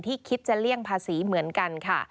คิดจะเลี่ยงภาษีเหมือนกันค่ะ